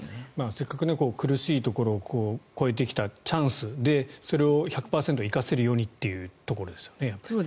せっかく苦しいところを越えてきたチャンスでそれを１００％生かせるようにというところですよね。